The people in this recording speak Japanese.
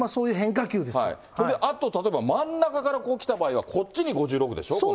それであと、真ん中からこう来た場合には、こっちに５６でしょ、今度。